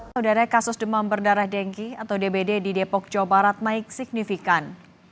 saudara kasus demam berdarah dengki atau dbd di depok jawa barat naik signifikan